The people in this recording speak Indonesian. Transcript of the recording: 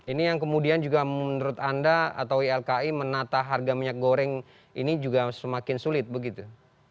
ini yang kemudian juga menurut anda atau ylki menata harga minyak goreng ini juga semakin sulit begitu